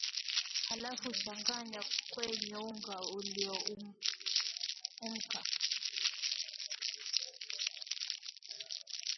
halafu changanya kwenye unga ulioumka